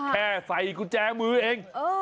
แค่ใส่กุญแจมือเอง